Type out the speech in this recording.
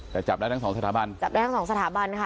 แต่จับได้ทั้ง๒สถาบัน